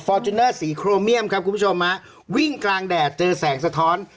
จูเนอร์สีโครเมียมครับคุณผู้ชมฮะวิ่งกลางแดดเจอแสงสะท้อน